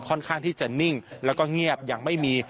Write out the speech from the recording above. ค่อนข้างที่จะนิ่งแล้วก็เงียบยังไม่มี